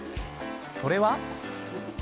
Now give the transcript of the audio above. それは。